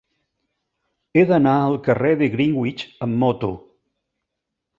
He d'anar al carrer de Greenwich amb moto.